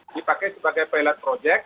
dipakai sebagai pilot project